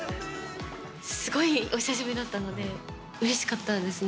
すごいお久しぶりだったので、うれしかったですね。